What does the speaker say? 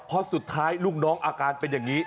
เพราะสุดท้ายลูกน้องอาการเป็นอย่างนี้